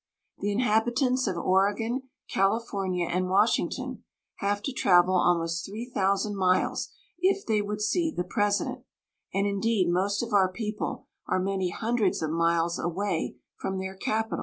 The inhabitants of Oregon, California, and Wash ington have to travel almost three thousand miles if they would see the President, and, indeed, most of our people are many hundreds of miles away from their capital.